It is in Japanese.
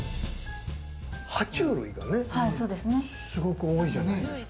爬虫類がすごく多いじゃないですか。